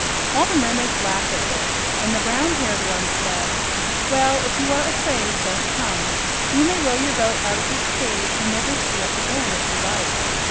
All the mermaids laughed at this, and the brown haired one said, "Well, if you are afraid, don't come. You may row your boat out of this cave and never see us again, if you like.